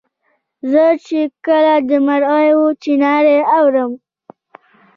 زه چي کله د مرغیو چوڼاری اورم